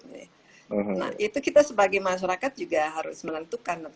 nah itu kita sebagai masyarakat juga harus menentukan